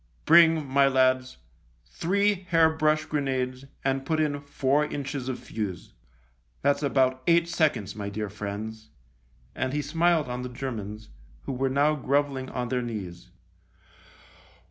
Bring, my lads, three hair brush grenades and put in four inches of fuse. That's about eight seconds, my dear friends," and he smiled on the Germans, who were now grovelling on their knees.